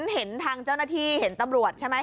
เห็นทางเจ้าหน้าที่เห็นตำรวจใช่ไหม